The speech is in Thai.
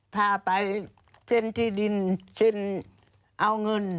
พาไปเส้นที่ดินเส้นเอาเงิน